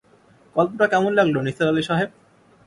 গল্পটা কেমন লাগল নিসার আলি সাহেব?